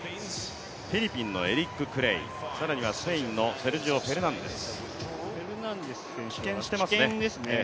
フィリピンのエリック・クレイさらにはスペインのセルジオ・フェルナンデス。